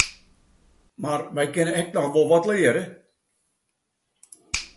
Mar wy kinne ek noch wol wat leare.